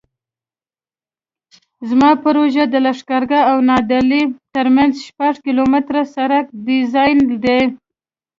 زما پروژه د لښکرګاه او نادعلي ترمنځ د شپږ کیلومتره سرک ډیزاین دی